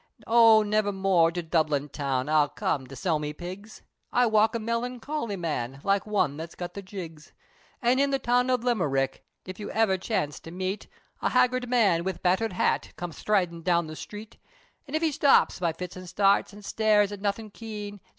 O never more, to Dublin town, I'll come, to sell me pigs! I walk a melancholy man, Like one, that's got the jigs, An' in the town of Limerick, if You ever chance, to meet A haggard man, wid batthered hat, Come sthridin down the sthreet, An' if he stops, by fits and starts, An' stares at nothin' keen!